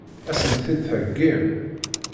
Ad sen-t-id-theggim?